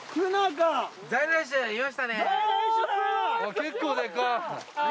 結構でかい。